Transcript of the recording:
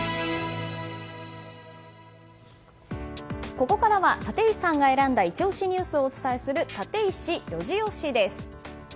ここからは立石さんが選んだイチ押しニュースをお伝えするタテイシ４時推しです。